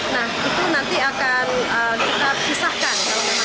nah itu nanti akan kita pisahkan